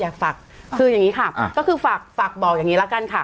อยากฝากคืออย่างนี้ค่ะก็คือฝากบอกอย่างนี้ละกันค่ะ